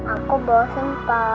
aku bosen pa